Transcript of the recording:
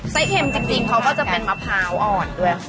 เอ็มจริงเขาก็จะเป็นมะพร้าวอ่อนด้วยค่ะ